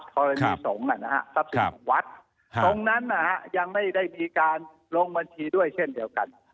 ตรงนั้นนะฮะยังไม่ได้มีการลงบัญชีด้วยเช่นเดียวกัน